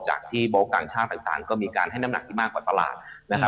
จากที่เบาะกลางชาติต่างก็มีการให้น้ำหนักที่มากกว่าตลาด